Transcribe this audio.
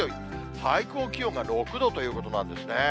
最高気温が６度ということなんですね。